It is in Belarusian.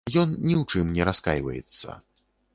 Ён ні ў чым не раскайваецца.